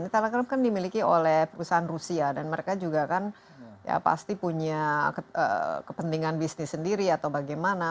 telegram kan dimiliki oleh perusahaan rusia dan mereka juga kan ya pasti punya kepentingan bisnis sendiri atau bagaimana